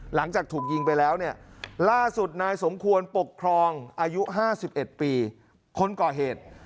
หลังจากถูกยิงไปแล้วเนี่ยล่าสุดนายสมควรปกครองอายุ๕๑ปีคนก่อเหตุ